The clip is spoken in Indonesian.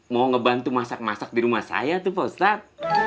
mau ngebantu masak masak di rumah saya tuh paustat